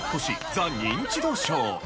『ザ・ニンチドショー』。